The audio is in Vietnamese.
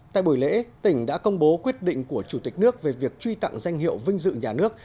tại buổi lễ tỉnh đã công bố quyết định của chủ tịch nước về việc truy tặng danh hiệu vinh dự nhà nước